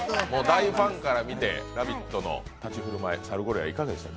大ファンから見て「ラヴィット！」の立ち居振る舞い、いかがでした？